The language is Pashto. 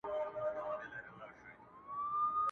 د خان خبره وه د خلکو او د کلي سلا،